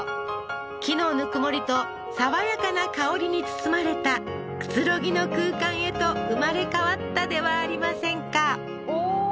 木のぬくもりと爽やかな香りに包まれたくつろぎの空間へと生まれ変わったではありませんかおおー！